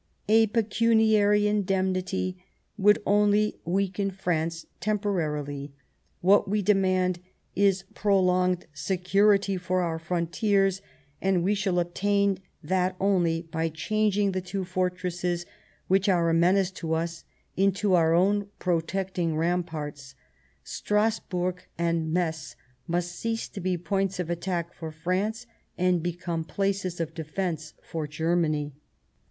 " A pecuniary indemnity would only weaken France temporarily ; what we demand is prolonged security for our frontiers ; and we shall obtain that only by changing the two fortresses 132 The War of 1870 which are a menace to us into our own protecting ramparts. Strasburg and M^tz must cease to be points of attack for France and become places of defence for Germany."